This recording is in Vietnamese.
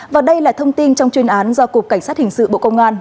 và đây là thông tin trong chuyên án do cục cảnh sát hình sự bộ công an